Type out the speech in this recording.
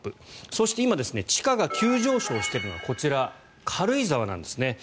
そして今地価が急上昇しているのがこちら、軽井沢なんですね。